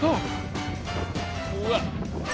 うわっ。